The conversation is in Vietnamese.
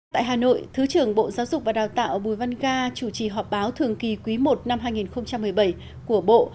tại hà nội thứ trưởng bộ giáo dục và đào tạo bùi văn ga chủ trì họp báo thường kỳ quý i năm hai nghìn một mươi bảy của bộ